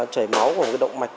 trảy máu của một cái động mạch